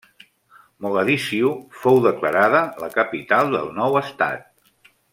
Mogadiscio fou declarada la capital del nou estat.